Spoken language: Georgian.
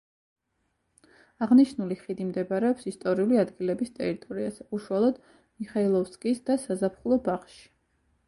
აღნიშნული ხიდი მდებარეობს ისტორიული ადგილების ტერიტორიაზე: უშუალოდ მიხაილოვსკის და საზაფხულო ბაღში.